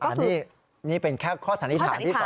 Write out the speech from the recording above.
อันนี้นี่เป็นแค่ข้อสันนิษฐานที่๒